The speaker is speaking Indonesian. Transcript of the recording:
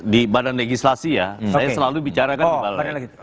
di badan legislasi ya saya selalu bicarakan di badan legislasi